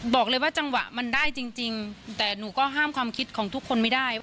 จังหวะมันได้จริงแต่หนูก็ห้ามความคิดของทุกคนไม่ได้